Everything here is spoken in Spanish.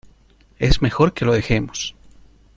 es mejor que lo dejemos